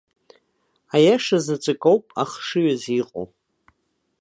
Аиаша заҵәык ауп ахшыҩ азы иҟоу.